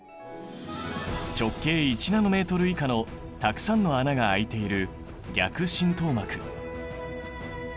直径１ナノメートル以下のたくさんの穴が開いている逆浸透膜。